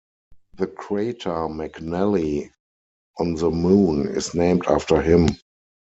The crater McNally on the Moon is named after him.